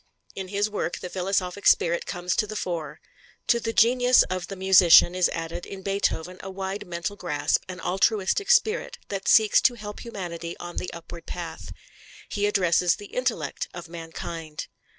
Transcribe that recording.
In his work the philosophic spirit comes to the fore. To the genius of the musician is added in Beethoven a wide mental grasp, an altruistic spirit, that seeks to help humanity on the upward path. He addresses the intellect of mankind.